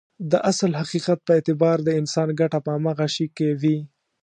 د اصل حقيقت په اعتبار د انسان ګټه په هماغه شي کې وي.